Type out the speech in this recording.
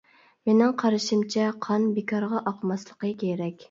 مېنىڭ قارىشىمچە قان بىكارغا ئاقماسلىقى كېرەك.